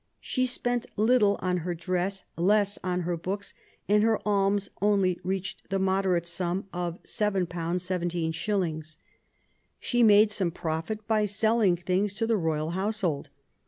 She spent little on her dress, less on her books ; and her alms only reached the moderate sum of £y 17s. She made some profit by selling things to the royal household.